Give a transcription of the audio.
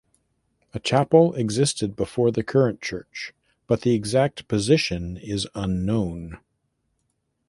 A chapel existed before the current church but the exact position is unknown.